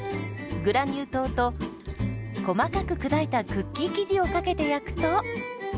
グラニュー糖と細かく砕いたクッキー生地をかけて焼くと。